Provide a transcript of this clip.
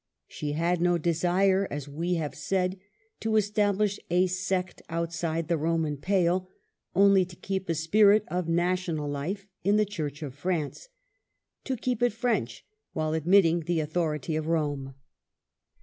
She had no desire, as we have said, to estab lish a sect outside the Roman pale, only to keep a spirit of national life in the Church of France, — to keep it French, while admitting the author ity of Rome.